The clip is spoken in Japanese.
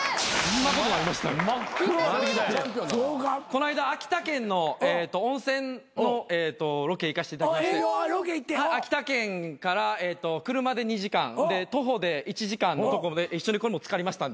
この間秋田県の温泉のロケ行かしていただきまして秋田県から車で２時間徒歩で１時間のところで一緒にこれも漬かりましたんで。